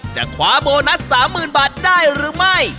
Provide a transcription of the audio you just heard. จะคว้าโบนัส๓๐๐๐บาทได้หรือไม่